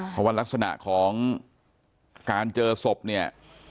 เพราะว่ารักษณะของการเจอศพเนี่ย